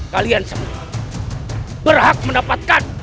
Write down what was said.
kalian semua berhak mendapatkan